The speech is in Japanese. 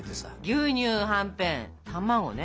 牛乳はんぺん卵ね。